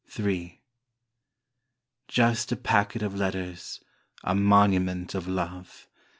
Ill Just a packet of letters A monument of love.